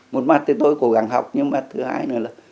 một mắt thì tôi cố gắng học nhưng mắt thứ hai nữa là